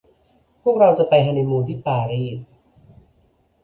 พวกเราจะไปฮันนีมูนที่ปารีส